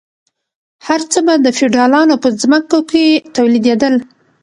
هر څه به د فیوډالانو په ځمکو کې تولیدیدل.